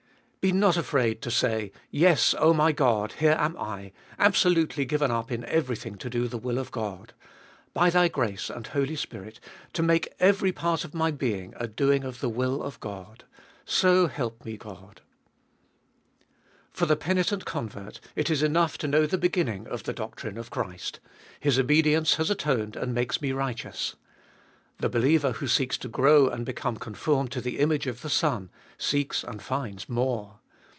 2. Be not afraid to say — Yes, 0 my God, here am I, absolutely given up in everything to do the will of God ; by Thy grace and Holy Spirit, to make every part of my being a doing of the will of God ! So help me, God ! 3. For the penitent convert it is enough to hnoui the beginning of the doctrine of Christ, His obedience has atoned and makes me righteous. The believer who seeks to grow and become conformed to the image of the Son, seeks and finds more.